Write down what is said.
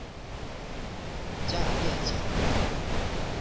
加雅涅的家。